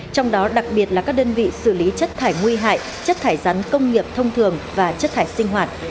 trong đó đặc biệt là các đơn vị xử lý chất thải nguy hại chất thải rắn công nghiệp thông thường và chất thải sinh hoạt